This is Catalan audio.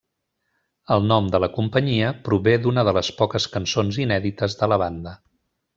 El nom de la companyia prové d'una de les poques cançons inèdites de la banda.